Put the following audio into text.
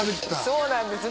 そうなんです